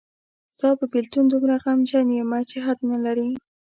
ستاپه بیلتون دومره غمجن یمه چی حد نلری.